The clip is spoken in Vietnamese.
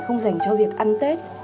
không dành cho việc ăn tết